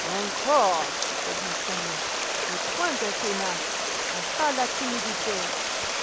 "Encore!" said he sternly. "Et point de grimaces! A bas la timidité!"